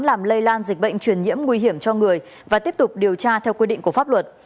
làm lây lan dịch bệnh truyền nhiễm nguy hiểm cho người và tiếp tục điều tra theo quy định của pháp luật